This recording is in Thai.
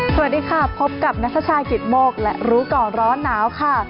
สวัสดีค่ะพบกับนัทชายกิตโมกและรู้ก่อนร้อนหนาวค่ะ